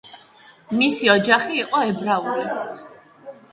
მისი ოჯახი იყო ებრაული.